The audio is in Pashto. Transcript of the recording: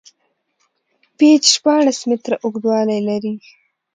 پېچ شپاړس میتره اوږدوالی لري.